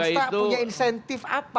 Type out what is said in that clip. swasta punya insentif apa